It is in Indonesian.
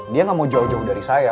dia gak mau jauh jauh dari saya